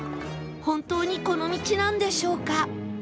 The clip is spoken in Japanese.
本当にこの道なんでしょうか？